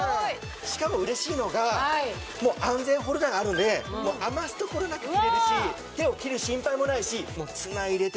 しかもうれしいのが安全ホルダーがあるので余す所なく切れるし手を切る心配もないしツナ入れて。